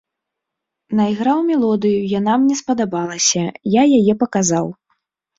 Найграў мелодыю, яна мне спадабалася, я яе паказаў.